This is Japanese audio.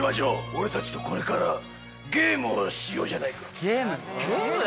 俺たちとこれからゲームをしようじゃないか。